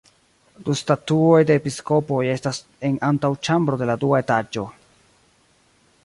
Du statuoj de episkopoj estas en antaŭĉambro de la dua etaĝo.